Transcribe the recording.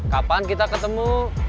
kapan kita ketemu